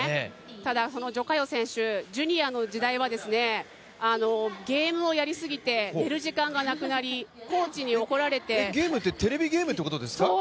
ただこの徐嘉余選手、ジュニアの時代はゲームをやりすぎて、寝る時間がなくなりゲームってテレビゲームってことですか？